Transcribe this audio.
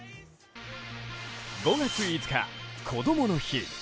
５月５日、こどもの日。